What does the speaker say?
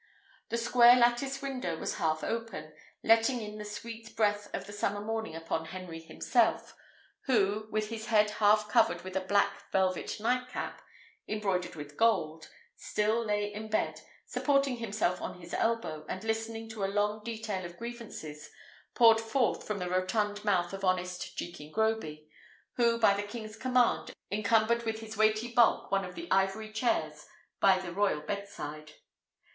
The square lattice window was half open, letting in the sweet breath of the summer morning upon Henry himself, who, with his head half covered with a black velvet nightcap, embroidered with gold, still lay in bed, supporting himself on his elbow, and listening to a long detail of grievances poured forth from the rotund mouth of honest Jekin Groby, who, by the king's command, encumbered with his weighty bulk one of the ivory chairs by the royal bedside.